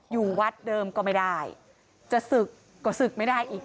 อยู่วัดเดิมก็ไม่ได้จะศึกก็ศึกไม่ได้อีก